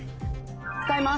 使います！